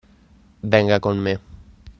Venga con me.